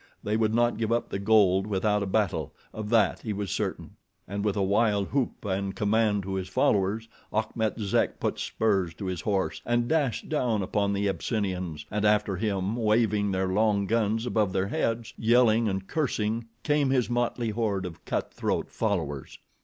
They would not give up the gold without a battle, of that he was certain, and with a wild whoop and a command to his followers, Achmet Zek put spurs to his horse and dashed down upon the Abyssinians, and after him, waving their long guns above their heads, yelling and cursing, came his motley horde of cut throat followers.